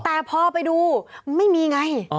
แต่พอไปดูไม่มีไง